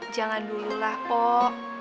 jangan dululah pok